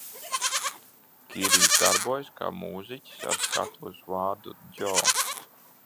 Kīrijs darbojas kā mūziķis ar skatuves vārdu Djo.